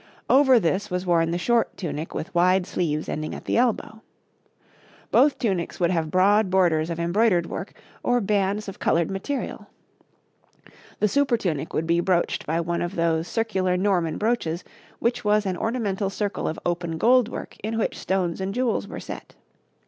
Over this was worn the short tunic with wide sleeves ending at the elbow. Both tunics would have broad borders of embroidered work or bands of coloured material. The supertunic would be brooched by one of those circular Norman brooches which was an ornamental circle of open gold work in which stones and jewels were set.